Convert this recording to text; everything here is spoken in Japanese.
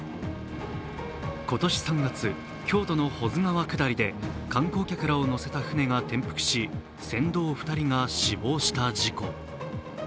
今年３月、京都の保津川下りで観光客らを乗せた舟が転覆し船頭２人が死亡した事故。